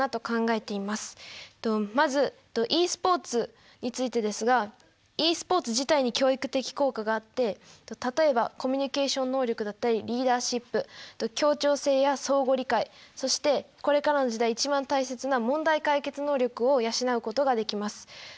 まずｅスポーツについてですがｅスポーツ自体に教育的効果があって例えばコミュニケーション能力だったりリーダーシップと協調性や相互理解そしてこれからの時代一番大切な問題解決能力を養うことができます。